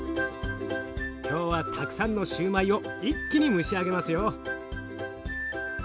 今日はたくさんのシューマイを一気に蒸し上げますよ。